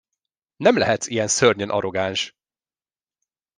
Nem lehetsz ilyen szörnyen arrogáns!